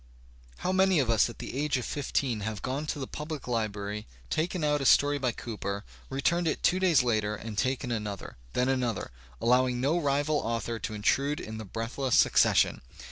How many of us at the age of fifteen have gone to the public Ubrary, taken out a story by Cooper, returned it two days later and taken another, then another, allowing no rival author to intrude in the breathless succession!